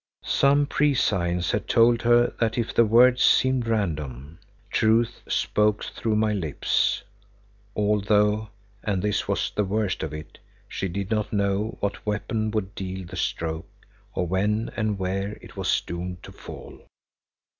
Some prescience had told her that if the words seemed random, Truth spoke through my lips, although, and this was the worst of it, she did not know what weapon would deal the stroke or when and where it was doomed to fall.